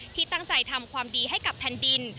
ที่ตั้งใจทำความดีให้กับแผ่นดิน